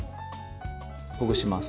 ほぐします。